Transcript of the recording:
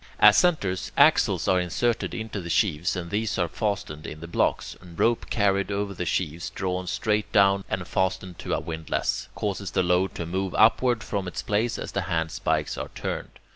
As centres, axles are inserted into the sheaves, and these are fastened in the blocks; a rope carried over the sheaves, drawn straight down, and fastened to a windlass, causes the load to move upward from its place as the handspikes are turned.